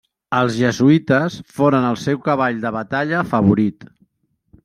Els jesuïtes foren el seu cavall de batalla favorit.